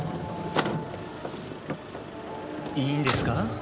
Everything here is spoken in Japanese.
いいんですか？